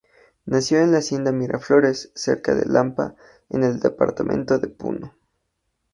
Nació en la hacienda Miraflores, cerca de Lampa, en el departamento de Puno.